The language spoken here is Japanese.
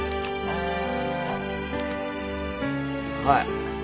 はい。